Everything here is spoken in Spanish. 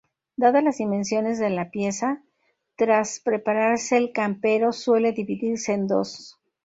Dadas las dimensiones de la pieza, tras prepararse el campero suele dividirse en dos.